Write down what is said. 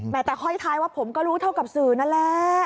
แต่ห้อยท้ายว่าผมก็รู้เท่ากับสื่อนั่นแหละ